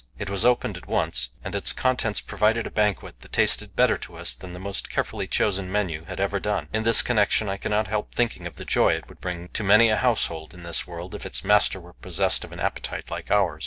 It was opened at once, and its contents provided a banquet that tasted better to us than the most carefully chosen menu had ever done. In this connection I cannot help thinking of the joy it would bring to many a household in this world if its master were possessed of an appetite like ours.